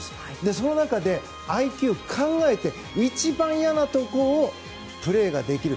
その中で、相手を考えて一番嫌なところでプレーができる。